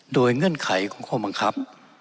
โดยเงื่อนไขของข้อบังคับ